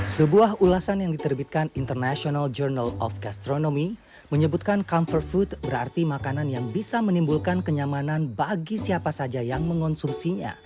sebuah ulasan yang diterbitkan international journal of gastronomy menyebutkan comfort food berarti makanan yang bisa menimbulkan kenyamanan bagi siapa saja yang mengonsumsinya